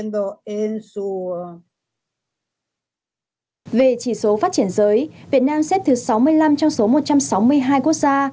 về chỉ số phát triển giới việt nam xếp thứ sáu mươi năm trong số một trăm sáu mươi hai quốc gia